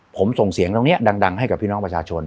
ผมส่งเสียงตรงนี้ดังให้กับพี่น้องประชาชน